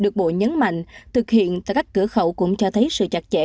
mình nhấn mạnh thực hiện tại các cửa khẩu cũng cho thấy sự chặt chẽ